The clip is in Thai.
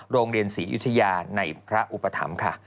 โรงเรียนศรียุธยาในพระอุปถัมภ์ค่ะ